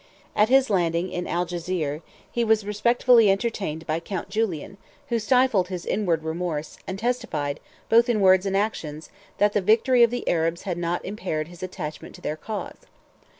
At his landing in Algezire, he was respectfully entertained by Count Julian, who stifled his inward remorse, and testified, both in words and actions, that the victory of the Arabs had not impaired his attachment to their cause.